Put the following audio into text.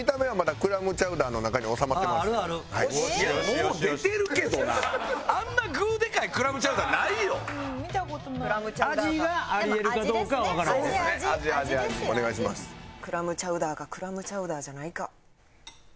クラムチャウダーかクラムチャウダーじゃないか。